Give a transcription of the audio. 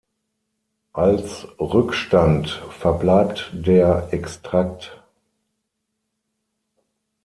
Als Rückstand verbleibt der Extrakt.